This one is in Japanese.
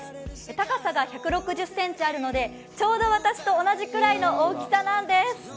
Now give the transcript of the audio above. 高さが１６０ｃｍあるので、ちょうど私と同じくらいの大きさなんです。